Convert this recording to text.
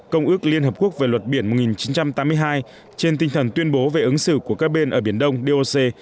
công ước liên hợp quốc về luật biển một nghìn chín trăm tám mươi hai trên tinh thần tuyên bố về ứng xử của các bên ở biển đông doc